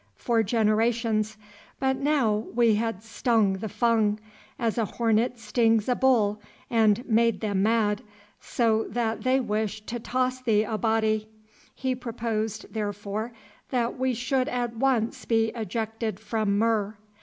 —for generations. But now we had stung the Fung, as a hornet stings a bull, and made them mad, so that they wished to toss the Abati. He proposed, therefore, that we should at once be ejected from Mur.